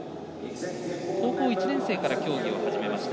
高校１年生から競技を始めました。